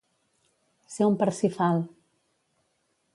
Ser un Parsifal.